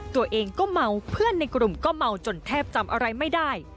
ตัวเองก็เมาเพื่อนในกลุ่มก็เมาจนแทบจำอะไรไม่ได้